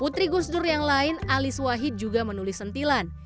putri gusdur yang lain alis wahid juga menulis sentilan